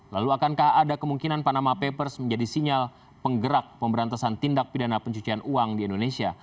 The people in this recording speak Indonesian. lalu akankah ada kemungkinan panama papers menjadi sinyal penggerak pemberantasan tindak pidana pencucian uang di indonesia